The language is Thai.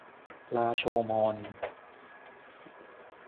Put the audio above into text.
ลาโชว์มอญ